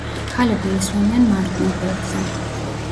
ქალები ესვენენ მარჯვნივ გვერდზე.